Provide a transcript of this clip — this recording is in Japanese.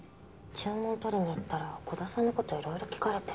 注文取りに行ったら鼓田さんの事いろいろ聞かれて。